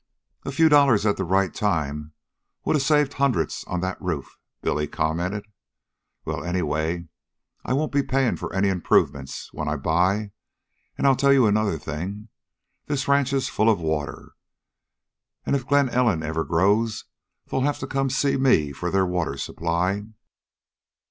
"A few dollars at the right time would a saved hundreds on that roof," Billy commented. "Well, anyway, I won't be payin' for any improvements when I buy. An I'll tell you another thing. This ranch is full of water, and if Glen Ellen ever grows they'll have to come to see me for their water supply."